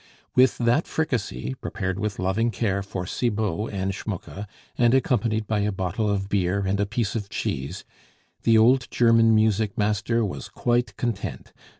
With that fricassee, prepared with loving care for Cibot and Schmucke, and accompanied by a bottle of beer and a piece of cheese, the old German music master was quite content.